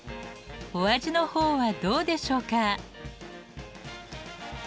お味のほうはどうでしょうか？